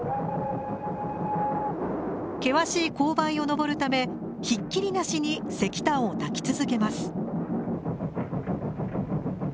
険しい勾配を登るためひっきりなしに石炭をたき続けます。